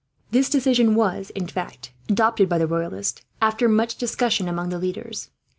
This decision was, in fact, adopted by the Royalists, after much discussion among the leaders.